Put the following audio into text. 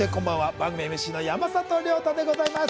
番組ＭＣの山里亮太でございます。